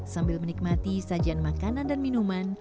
sambil menikmati sajian makanan dan minuman